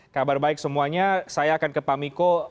kabar baik semuanya saya akan ke pak miko